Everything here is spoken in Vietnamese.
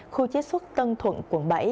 khu chế xuất tân thuận quận bảy